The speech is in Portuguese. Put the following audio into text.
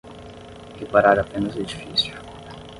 Reparar apenas o edifício